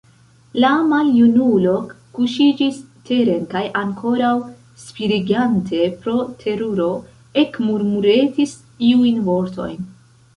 La maljunulo kuŝiĝis teren kaj, ankoraŭ spiregante pro teruro, ekmurmuretis iujn vortojn.